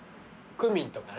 クミンとかね。